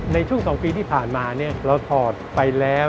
ในช่วง๒ปีที่ผ่านมาเราถอดไปแล้ว